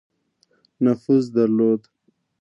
نفوذ درلود.